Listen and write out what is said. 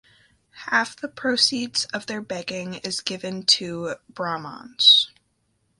Half the proceeds of their begging is given to Brahmans.